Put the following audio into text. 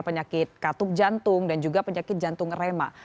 penyakit katuk jantung dan juga penyakit jantung remak